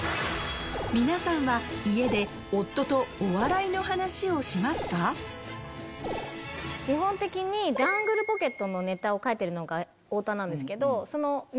皆さんは基本的にジャングルポケットのネタを書いてるのが太田なんですけどその。